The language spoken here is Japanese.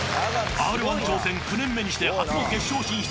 Ｒ−１挑戦９年目にして初の決勝進出。